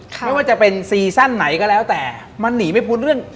ไม่ว่าจะเป็นซีซั่นไหนก็แล้วแต่มันหนีไม่พ้นเรื่อง